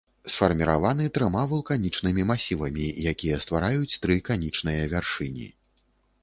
Сфарміраваны трыма вулканічнымі масівамі, якія ствараюць тры канічныя вяршыні.